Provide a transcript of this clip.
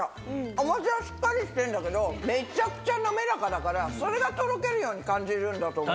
お餅はしっかりしてるんだけどめちゃくちゃ滑らかだからそれがとろけるように感じるんだと思う。